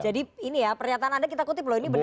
jadi ini ya pernyataan anda kita kutip loh ini benar